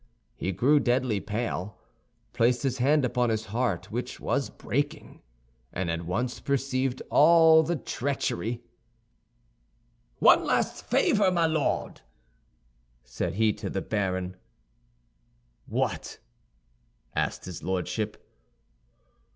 He grew deadly pale, placed his hand upon his heart, which was breaking, and at once perceived all the treachery. "One last favor, my Lord!" said he to the baron. "What?" asked his Lordship.